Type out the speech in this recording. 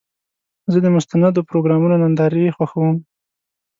زه د مستندو پروګرامونو نندارې خوښوم.